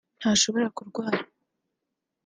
ntashobora kurwara